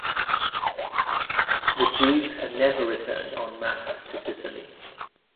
The Jews have never returned en masse to Sicily.